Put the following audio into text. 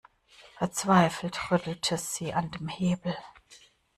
Verzweifelt rüttelte sie an dem Hebel.